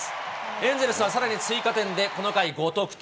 エンゼルスはさらに追加点で、この回５得点。